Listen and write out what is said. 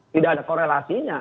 tidak ada korelasinya